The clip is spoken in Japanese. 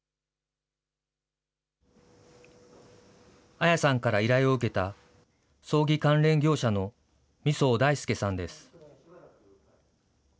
綾さんから依頼を受けた、葬儀関連業者の三宗大介さんです。